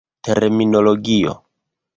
Terminologio.